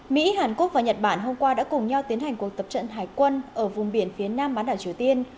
mỹ hàn quốc và nhật bản hôm qua đã cùng nhau tiến hành cuộc tập trận hải quân ở vùng biển phía nam bán đảo triều tiên